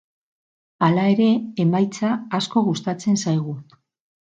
Hala ere, emaitza asko gustatzen zaigu.